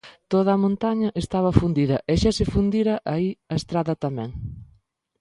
Toda a montaña estaba fundida e xa se fundira aí a estrada tamén.